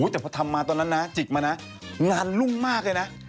แต่พอทำมาตอนนั้นนะจิกมานะงานรุ่งมากเลยนะ